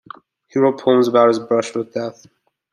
He wrote poems about his brush with death.